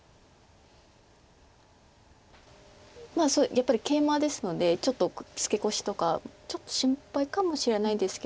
やっぱりケイマですのでちょっとツケコシとかちょっと心配かもしれないですけど。